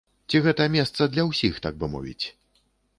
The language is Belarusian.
Ці гэта месца для ўсіх, так бы мовіць?